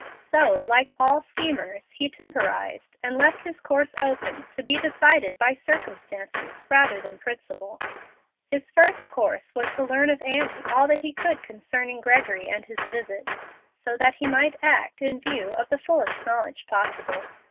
So like all schemers, he temporized, and left his course open to be decided by circumstances rather than principle. His first course was to learn of Annie all that he could concerning Gregory and his visit, so that he might act in view of the fullest knowledge possible.